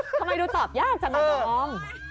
ทำไมดูตอบยากจังนะดอม